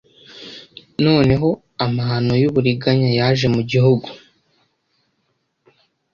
Noneho amahano yuburiganya yaje mu gihugu